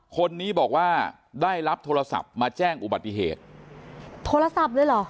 คนนี้บอกว่าได้รับโทรศัพท์มาแจ้งอุบัติเหตุโทรศัพท์เลยเหรอ